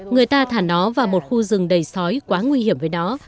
người ta thả nó vào một khu rừng đầy sói quá nguy hiểm với nó